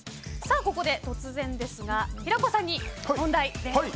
ここで、突然ですが平子さんに問題です。